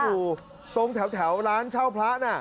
อยู่ตรงแถวร้านเช่าพระน่ะ